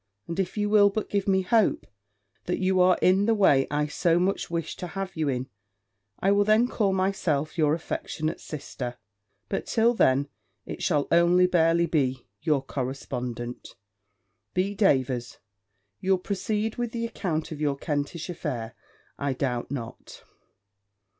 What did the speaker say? And if you will but give me hope, that you are in the way I so much wish to have you in, I will then call myself your affectionate sister; but till then, it shall only barely be your correspondent, B. DAVERS. You'll proceed with the account of your Kentish affair, I doubt not.